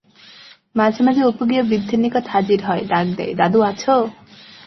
মাঝে মাঝে অপু গিয়া বৃদ্ধের নিকট হাজির হয়, ডাক দেয়,-দাদু আছো?